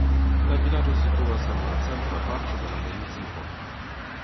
La vilaĝo situas en la centra parto de la municipo.